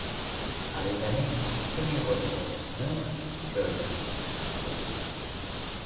«Faridaning ikki ming qo‘shig‘i»ni ko‘rdim, afsus...